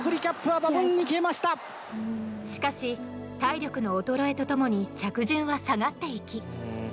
しかし体力の衰えとともに着順は下がっていき。